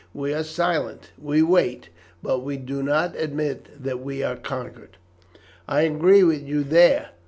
We are silent, we wait, but we do not admit that we are conquered." "I agree with you there.